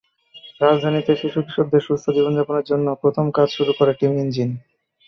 রাজধানীতে শিশু-কিশোরদের সুস্থ জীবনযাপনের জন্য প্রথম কাজ শুরু করে টিম ইঞ্জিন।